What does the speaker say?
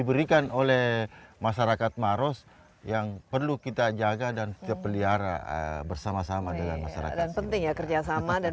berkelanjutan dan kepeliharaan bersama sama dengan masyarakat penting ya kerjasama dan